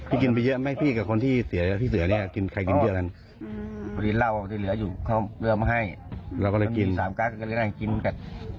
โอ้โหชาก็เลยไปโรงพยาบาลครับ